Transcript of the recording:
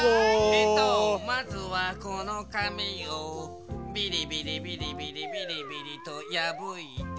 えっとまずはこのかみをビリビリビリビリビリビリとやぶいて。